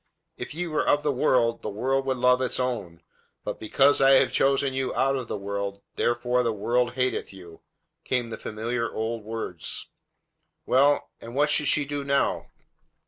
"If ye were of the world, the world would love its own; but because I have chosen you out of the world, therefore the world hateth you," came the familiar old words. Well, and what should she do now?